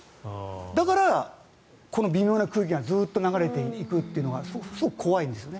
だからこの微妙な空気感がずっと流れていくというのがすごく怖いんですね。